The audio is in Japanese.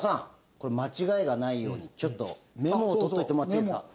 これ間違いがないようにちょっとメモを取っといてもらっていいですか？